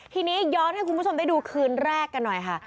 ทีนี้ย้อนให้คุณผู้ชมได้ดูคืนแรกกันหน่อยค่ะ